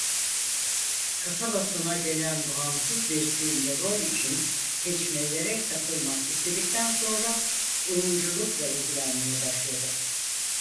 Kasabasına gelen bağımsız bir filmde rol için seçmelere katılmak istedikten sonra oyunculukla ilgilenmeye başladı.